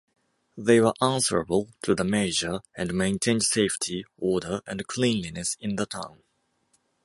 They were answerable to the major and maintained safety, order and cleanliness in the town.